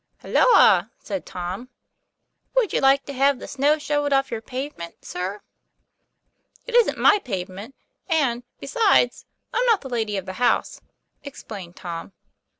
"Halloa!" said Tom. 'Would you like to have the snow shovelled off your pavement, sir?" 'It isn't my pavement; and, besides, I'm not the lady of the house," explained Tom.